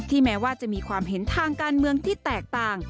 แม้ว่าจะมีความเห็นทางการเมืองที่แตกต่าง